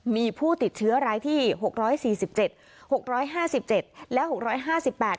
มีผู้ติดเชื้อรายที่หกร้อยสี่สิบเจ็ดหกร้อยห้าสิบเจ็ดและหกร้อยห้าสิบแปด